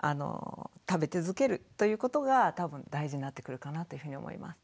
食べ続けるということが多分大事になってくるかなというふうに思います。